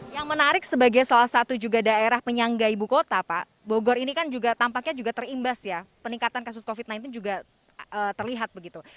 yang menarik sebagai salah satu juga daerah penyangga ibu kota pak bogor ini kan juga tampaknya juga terimbas ya peningkatan kasus covid sembilan belas juga terlihat begitu